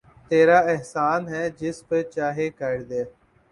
تیرا احسان ہے جس پر چاہے کردے